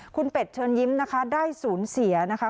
คุณเป็ดเชิญยิ้มได้ศูนย์เสียนะคะ